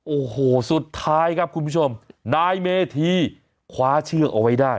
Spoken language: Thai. โอ้โหสุดท้ายครับคุณผู้ชมนายเมธีคว้าเชือกเอาไว้ได้